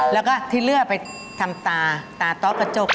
แล้วก็ที่เลือดไปทำตาตาต๊อกกระจก